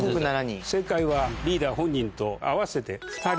正解はリーダー本人と合わせて２人。